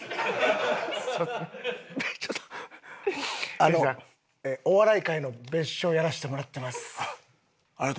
ちょっとあのお笑い界の別所をやらせてもらってます。